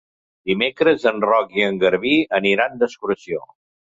Dimecres en Roc i en Garbí aniran d'excursió.